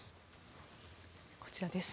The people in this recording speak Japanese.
こちらです。